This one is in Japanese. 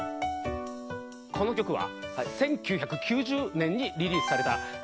この曲は。